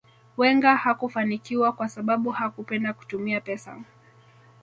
Wenger hakufanikiwa kwa sababu hakupenda kutumia pesa